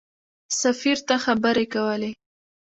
سفیر ته خبرې کولې.